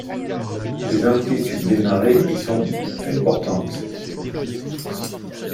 Les amplitudes des marées y sont importantes.